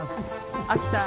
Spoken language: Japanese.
秋田。